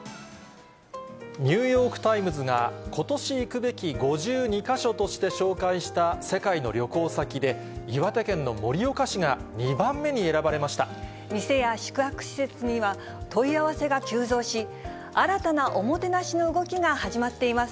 ニューヨーク・タイムズが、ことし行くべき５２か所として紹介した世界の旅行先で、岩手県の店や宿泊施設には、問い合わせが急増し、新たなおもてなしの動きが始まっています。